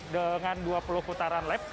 dengan dua puluh putaran lap